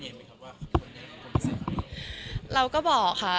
แล้วได้บอกพี่เนมว่าคนเนมเป็นคนพิเศษค่ะ